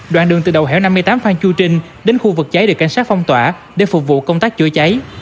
đoạn đường từ đầu hẻo năm mươi tám phan chu trinh đến khu vực cháy được cảnh sát phong tỏa để phục vụ công tác chữa cháy